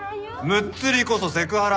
「むっつり」こそセクハラ！